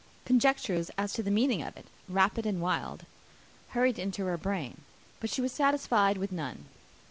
Conjectures as to the meaning of it, rapid and wild, hurried into her brain; but she was satisfied with none.